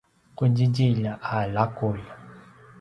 qudjidjilj a laqulj